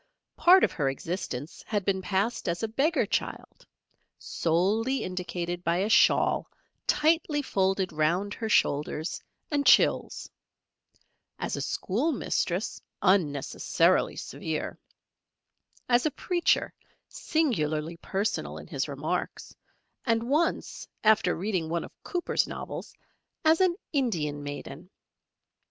Part of her existence had been passed as a Beggar Child solely indicated by a shawl tightly folded round her shoulders and chills, as a Schoolmistress, unnecessarily severe; as a Preacher, singularly personal in his remarks, and once, after reading one of Cooper's novels, as an Indian Maiden.